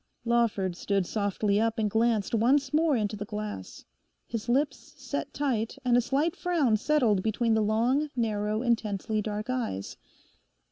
Lawford stood softly up and glanced once more into the glass. His lips set tight, and a slight frown settled between the long, narrow, intensely dark eyes.